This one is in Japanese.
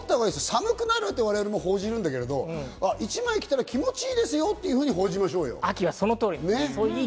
寒くなると我々も報じるけど、一枚着たら気持ち良いですよと報じましょうよ。